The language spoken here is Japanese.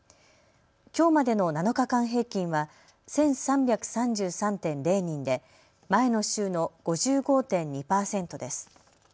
きょうまでの７日間平均は１３３３．０人で前の週の５５．２％です。